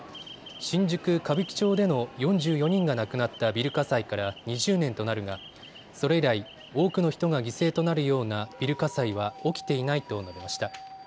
新宿歌舞伎町での４４人が亡くなったビル火災から２０年となるがそれ以来、多くの人が犠牲となるようなビル火災は起きていないと述べました。